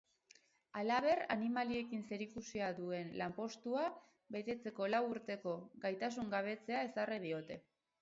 Halaber, animaliekin zerikusia duen lanpostua betetzeko lau urteko gaitasungabetzea ezarri diote.